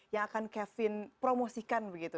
yang akan kevin promosikan begitu